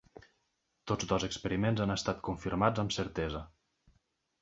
Tots dos experiments han estat confirmats amb certesa.